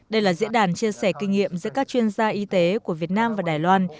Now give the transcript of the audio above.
đây là diễn đàn chia sẻ kinh nghiệm giữa các chuyên gia y tế của việt nam và đài loan